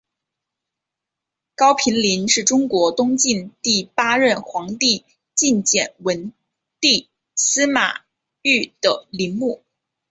高平陵是中国东晋第八任皇帝晋简文帝司马昱的陵墓。